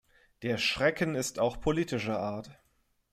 Der Schrecken ist auch politischer Art.